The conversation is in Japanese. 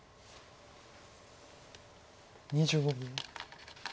２５秒。